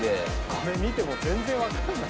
これ見ても全然わかんない。